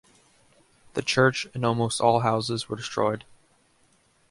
The Church and almost all houses were destroyed.